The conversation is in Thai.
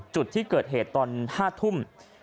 จุดที่เกิดเหตุตอน๕ทุ่ม